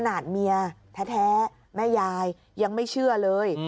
เมียแท้แม่ยายยังไม่เชื่อเลย